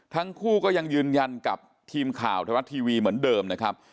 ทั้งคู่ก็ยังยืนยันกับทีมข่าวไทยรัฐทีวีเหมือนเดิมนะครับ